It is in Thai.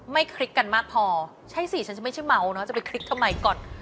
คลิกกันมากพอใช่สิฉันจะไม่ใช่เมาเนอะจะไปคลิกทำไมก่อน